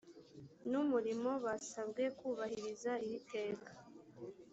n umurimo basabwe kubahiriza iri teka